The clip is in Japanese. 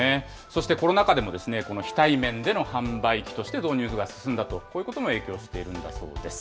そしてコロナ禍でも、この非対面での販売機として導入が進んだと、こういうことも影響しているんだそうです。